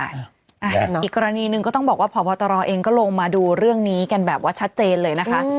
อีกกรณีหนึ่งก็ต้องบอกว่าพบตรเองก็ลงมาดูเรื่องนี้กันแบบว่าชัดเจนเลยนะคะ